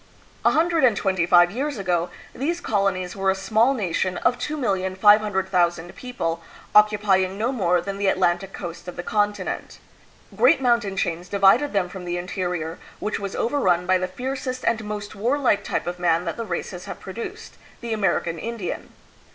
A hundred and twenty five years ago, these colonies were a small nation of 2,500,000 people, occupying no more than the Atlantic coast of the continent. Great mountain chains divided them from the interior, which was overrun by the fiercest and most warlike type of man that the races have produced the American In dian.